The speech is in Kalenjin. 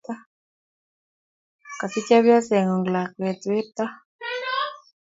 kasich chepyoseng'ung' lakwet werto!